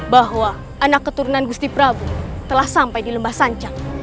bahwa anak keturunan musti pragu telah sampai di lembah sanca